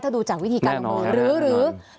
ถ้าดูจากวิธีการแบบนั้น